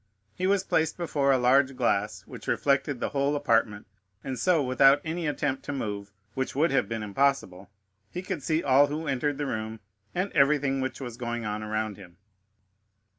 He was placed before a large glass, which reflected the whole apartment, and so, without any attempt to move, which would have been impossible, he could see all who entered the room and everything which was going on around him.